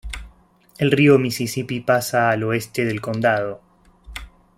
El río Misisipi pasa al oeste del condado.